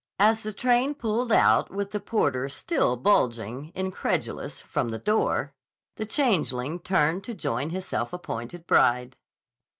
As the train pulled out with the porter still bulging, incredulous, from the door, the changeling turned to join his self appointed bride.